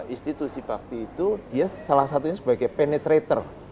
institusi bakti itu dia salah satunya sebagai penetrator